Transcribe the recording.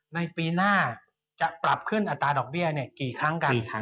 ในปีหน้าจะปรับขึ้นอัตราดอกเบี้ยกี่ครั้งกัน